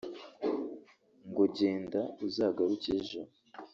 ngo genda uzagaruke ejo